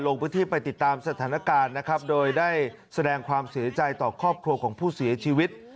ลงพื้นที่ไปติดตามสถานการณ์นะครับโดยได้แสดงความเสียใจต่อครอบครัวของผู้เสียชีวิต